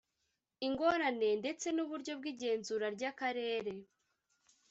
ingorane ndetse n uburyo bw igenzura rya karere